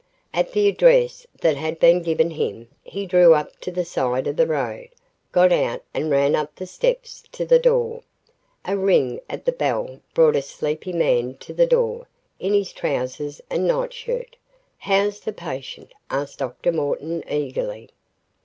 At the address that had been given him, he drew up to the side of the road, got out and ran up the steps to the door. A ring at the bell brought a sleepy man to the door, in his trousers and nightshirt. "How's the patient?" asked Dr. Morton, eagerly.